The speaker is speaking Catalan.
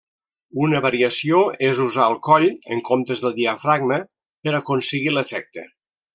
Una variació és usar el coll, en comptes del diafragma, per aconseguir l'efecte.